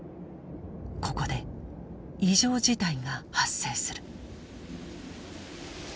ここで異常事態が発生する。